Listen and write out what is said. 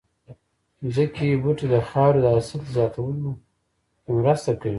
ځمکې بوټي د خاورې د حاصل زياتولو کې مرسته کوي